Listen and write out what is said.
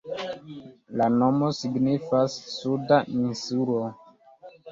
La nomo signifas "Suda insulo".